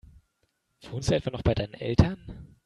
Wohnst du etwa noch bei deinen Eltern?